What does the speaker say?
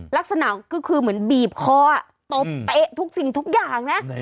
ลักษณะก็คือเหมือนบีบคอตบเป๊ะทุกสิ่งทุกอย่างนะ